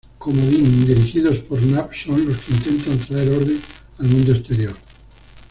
Comodín: Dirigidos por Nav, son los que intentan traer orden al mundo exterior.